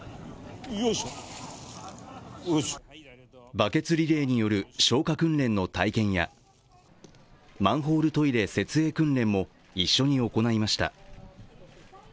バケツリレーによる消火訓練の体験や、マンホールトイレ設営訓練も一緒に行いました。